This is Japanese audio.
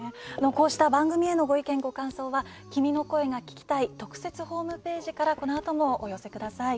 こうした番組へのご意見、ご感想は「君の声が聴きたい」特設ホームページからこのあともお寄せください。